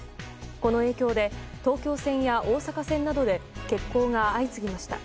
この影響で東京線や大阪線などで欠航が相次ぎました。